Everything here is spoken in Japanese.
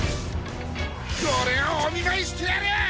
これをおみまいしてやる！